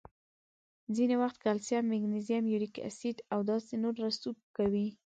ځینې وخت کلسیم، مګنیزیم، یوریک اسید او داسې نور رسوب کوي.